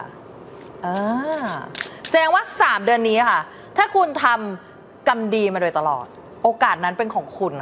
อา้าาแสดงว่า๓เดือนนี้ถ้าคุณทำกำดีมาโดยตลอดโอกาสนั้นเป็นของคุณค่ะ